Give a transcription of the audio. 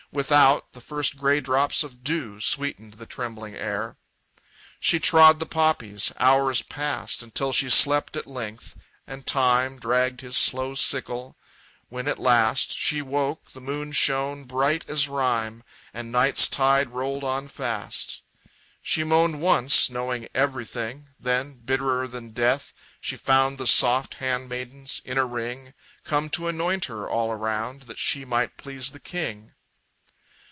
Without, the first gray drops of dew Sweetened the trembling air. She trod the poppies. Hours passed Until she slept at length and Time Dragged his slow sickle. When at last She woke, the moon shone, bright as rime, And night's tide rolled on fast. She moaned once, knowing everything; Then, bitterer than death, she found The soft handmaidens, in a ring, Come to anoint her, all around, That she might please the king.